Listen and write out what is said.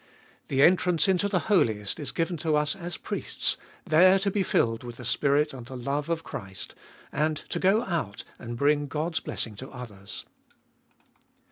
The entrance into the Holiest is given to us as priests, there to be filled with the Spirit and the love of Christ, and to go out and bring God's blessing to others.